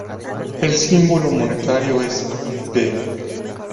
El símbolo monetario, es Ᵽ.